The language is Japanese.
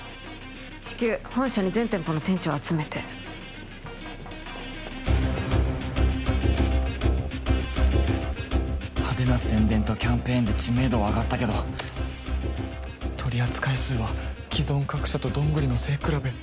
至急本社に全店舗の店長を集めて派手な宣伝とキャンペーンで知名度は上がったけど取り扱い数は既存各社とどんぐりの背くらべ